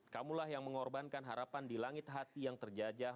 kamulah yang mengorbankan harapan di langit hati yang terjajah